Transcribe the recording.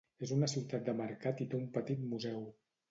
És una ciutat de mercat i té un petit museu.